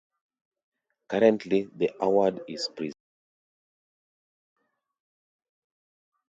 Currently the award is presented bi-annually.